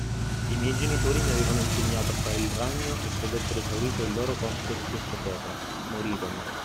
I miei genitori mi avevano insegnato a fare il ragno e credettero esaurito il loro compito su questa terra: morirono.